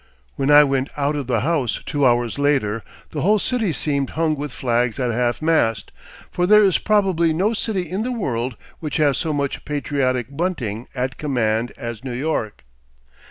When I went out of the house two hours later, the whole city seemed hung with flags at half mast; for there is probably no city in the world which has so much patriotic bunting at command as New York.